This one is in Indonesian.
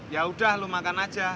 ya udah lu makan aja